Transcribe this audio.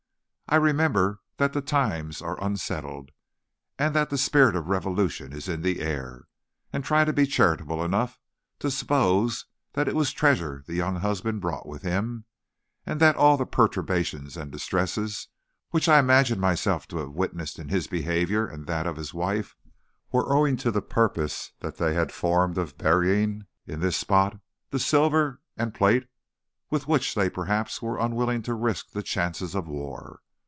I remember that the times are unsettled, that the spirit of revolution is in the air, and try to be charitable enough to suppose that it was treasure the young husband brought with him, and that all the perturbation and distress which I imagine myself to have witnessed in his behavior and that of his wife were owing to the purpose that they had formed of burying, in this spot, the silver and plate which they were perhaps unwilling to risk to the chances of war.